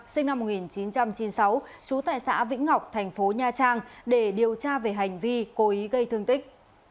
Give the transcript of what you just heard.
sinh năm một nghìn chín trăm chín mươi sáu trú tại xã vĩnh ngọc thành phố nha trang để điều tra về hành vi cố ý gây thương tích